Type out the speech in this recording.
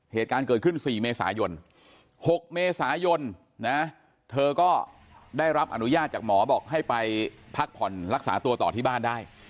เหตุการณ์เกิดขึ้น๔เมษายน๖เมษายนนะเธอก็ได้รับอนุญาตจากหมอบอกให้ไปพักผ่อนรักษาตัวต่อที่บ้านได้